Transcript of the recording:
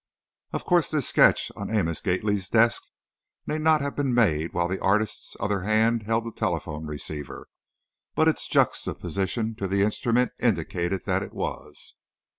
Of course, this sketch on Amos Gately's desk need not have been made while the artist's other hand held the telephone receiver, but its juxtaposition to the instrument indicated that it was.